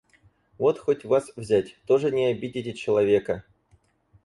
Вот хоть вас взять, тоже не обидите человека...